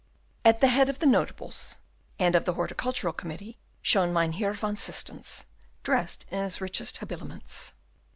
At the head of the notables and of the Horticultural Committee shone Mynheer van Systens, dressed in his richest habiliments.